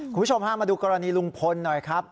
คุณผู้ชมพามาดูกรณีลุงพลหน่อยครับ